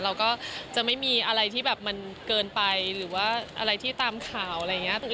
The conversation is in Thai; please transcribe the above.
เราก็จะไม่มีอะไรที่แบบมันเกินไปหรือว่าอะไรที่ตามข่าวอะไรอย่างนี้